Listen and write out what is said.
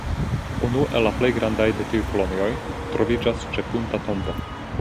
Unu el la plej grandaj de tiuj kolonioj troviĝas ĉe Punta Tombo.